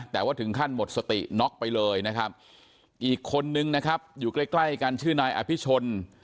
แต่ว่าถึงขั้นหมดสติน็อกไปเลยนะครับอีกคนนึงนะครับอยู่ใกล้ใกล้กันชื่อนายอภิชน